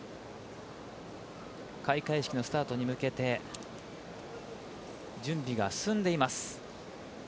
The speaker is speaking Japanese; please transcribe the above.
開会式のスタートに向けて準備が進んでいます。